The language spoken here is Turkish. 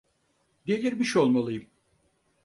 Delirmiş olmalıyım.